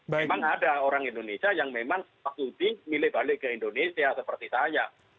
memang ada orang indonesia yang memang studi milih balik ke indonesia seperti saya